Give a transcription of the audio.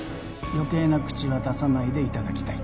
余計な口は出さないでいただきたい